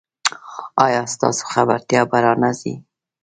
ایا ستاسو خبرتیا به را نه ځي؟